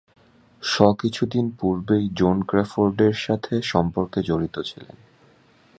শ কিছুদিন পূর্বেই জোন ক্রফোর্ডের সাথে সম্পর্কে জড়িত ছিলেন।